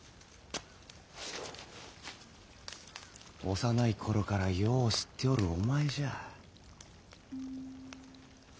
幼い頃からよう知っておるお前じゃ。